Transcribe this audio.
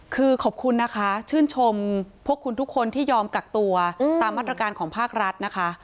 คือขอบคุณนะคะชื่นชมพวกคุณทุกคนที่ยอมกักตัวตามมาตรการของภาครัฐนะคะ